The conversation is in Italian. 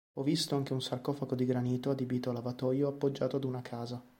Ho visto anche un sarcofago di granito adibito a lavatoio appoggiato ad una casa.